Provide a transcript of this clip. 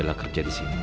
apakan ada kini ya